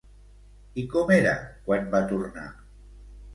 I com era quan va tornar?